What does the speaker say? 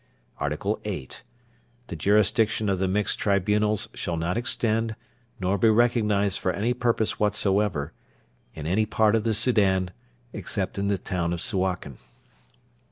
ART. VIII. The jurisdiction of the Mixed Tribunals shall not extend, nor be recognised for any purpose whatsoever, in any part of the Soudan, except in the town of Suakin.